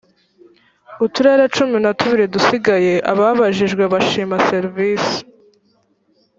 uturere cumi na tubiri dusigaye ababajijwe bashima serivisi